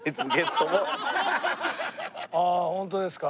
ああホントですか。